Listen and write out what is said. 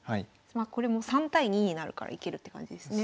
これも３対２になるからいけるって感じですね。